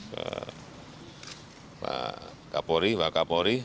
ke pak kapolri pak kapolri